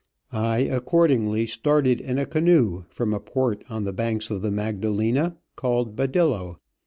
I accordingly started in a canoe from a port on the banks of the Magdalena called Badillo.